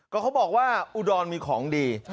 ก็เขาบอกว่าอุดรมีของดี